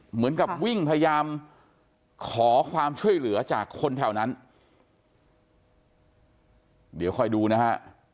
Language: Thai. เหมือนกับวิ่งพยายามขอความช่วยเหลือจากคนแถวนั้นเดี๋ยวคอยดูนะฮะ